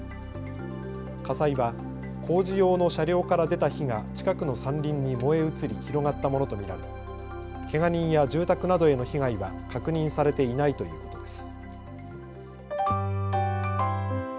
火災は工事用の車両から出た火が近くの山林に燃え移り広がったものと見られけが人や住宅などへの被害は確認されていないということです。